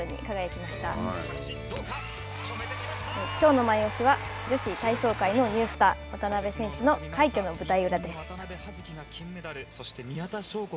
きょうのマイオシは女子体操界のニュースター渡部選手の快挙の舞台裏です。